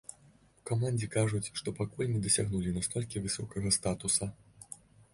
У камандзе кажуць, што пакуль не дасягнулі настолькі высокага статуса.